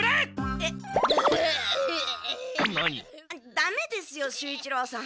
ダメですよ守一郎さん。